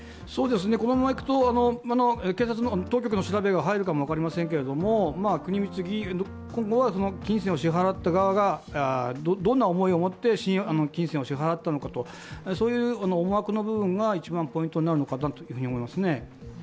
このままいくと、東京都の調べが入るのかも分かりませんが、今後は金銭を支払った側がどんな思いを持って金銭を支払ったのかとそういう思惑の部分が一番ポイントになるのかなと思いますね。